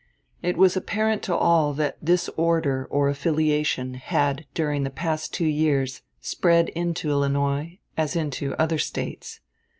It was apparent to all that this order or affiliation had during the past two years spread into Illinois, as into other States.